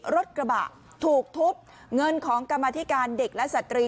รถกระบะถูกทุบเงินของกรรมธิการเด็กและสตรี